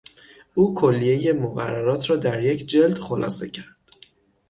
او کلیهی مقررات را در یک جلد خلاصه کرد.